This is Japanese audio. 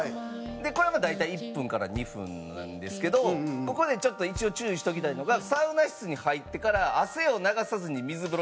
これはまあ大体１分から２分なんですけどここでちょっと一応注意しときたいのがサウナ室に入ってから汗を流さずに水風呂に入る。